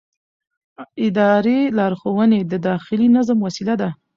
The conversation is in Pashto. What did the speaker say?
اداري لارښوونې د داخلي نظم وسیله ده.